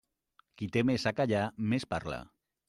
Qui té més a callar més parla.